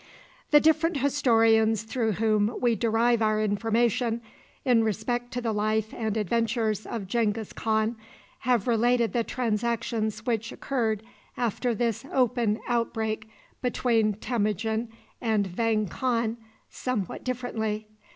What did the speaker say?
The different historians through whom we derive our information in respect to the life and adventures of Genghis Khan have related the transactions which occurred after this open outbreak between Temujin and Vang Khan somewhat differently.